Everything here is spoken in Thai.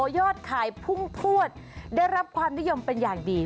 ยอดขายพุ่งพวดได้รับความนิยมเป็นอย่างดี